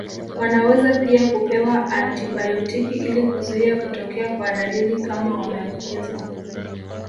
Wanaweza pia kupewa antibayotiki ili kuzuia kutokea kwa dalili kama wameambukizwa